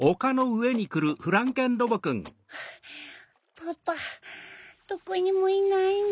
パパどこにもいないな。